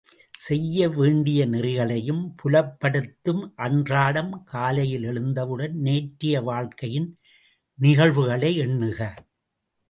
செய்ய வேண்டிய நெறிகளையும் புலப்படுத்தும், அன்றாடம் காலையில் எழுந்தவுடன் நேற்றைய வாழ்க்கையின் நிகழ்வுகளை எண்ணுக!